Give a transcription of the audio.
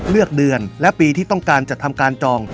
เดือนและปีที่ต้องการจัดทำการจอง